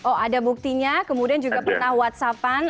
oh ada buktinya kemudian juga pernah whatsappan